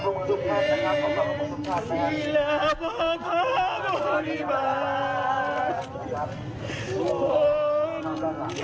เป็นโทษทางโทษรัตนาความประสงค์ใด